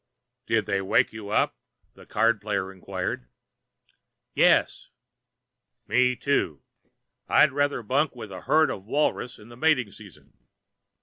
"Did they wake you up?" the card player inquired. "Yes." "Me, too. I'd rather bunk in with a herd of walrus in the mating season."